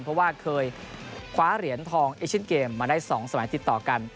เพราะว่าเคยคว้าเหรียญทองเอเชียนเกมมาได้๒สมัยติดต่อกัน